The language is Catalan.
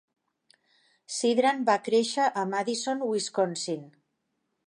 Sidran va créixer a Madison, Wisconsin.